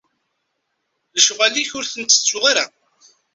Leqwanen-ik ur ten-ttettuɣ ara.